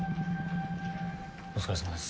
お疲れさまです。